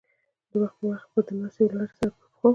وخت پۀ وخت به د ناستې ولاړې سره پۀ پښو